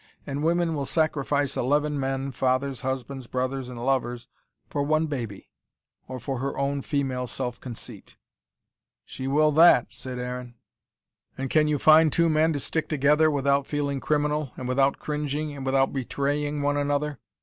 And women will sacrifice eleven men, fathers, husbands, brothers and lovers, for one baby or for her own female self conceit " "She will that," said Aaron. "And can you find two men to stick together, without feeling criminal, and without cringing, and without betraying one another?